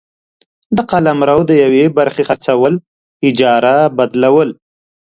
د قلمرو د یوې برخي خرڅول ، اجاره ، بدلول،